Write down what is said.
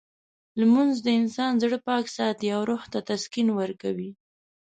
لمونځ د انسان زړه پاک ساتي او روح ته تسکین ورکوي.